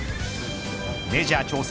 メジャー挑戦